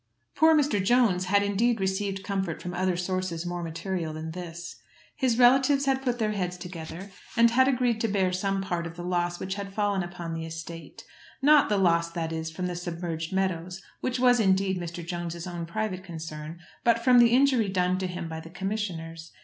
Poor Mr. Jones had indeed received comfort from other sources more material than this. His relatives had put their heads together, and had agreed to bear some part of the loss which had fallen upon the estate; not the loss, that is, from the submerged meadows, which was indeed Mr. Jones's own private concern, but from the injury done to him by the commissioners.